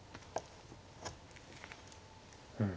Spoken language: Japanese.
うん。